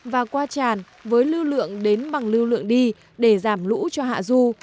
và qua tràn với lưu lượng đến bằng lưu lượng đi để giảm lũ cho hạ du